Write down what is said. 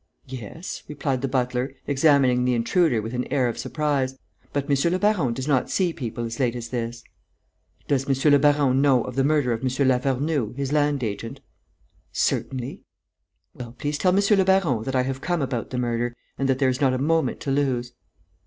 "Yes," replied the butler, examining the intruder with an air of surprise, "but monsieur le baron does not see people as late as this." "Does monsieur le baron know of the murder of M. Lavernoux, his land agent?" "Certainly." "Well, please tell monsieur le baron that I have come about the murder and that there is not a moment to lose."